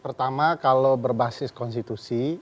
pertama kalau berbasis konstitusi